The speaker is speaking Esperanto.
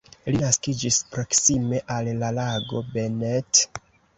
Li naskiĝis proksime al la lago Bennett.